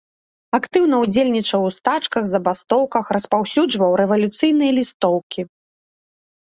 Актыўна ўдзельнічаў у стачках, забастоўках, распаўсюджваў рэвалюцыйныя лістоўкі.